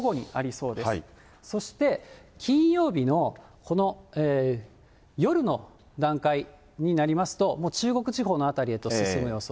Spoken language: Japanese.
そして金曜日のこの夜の段階になりますと、中国地方の辺りへと進む予想。